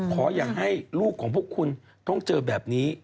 ขอให้ลูกของพวกคุณต้องเจอแบบนี้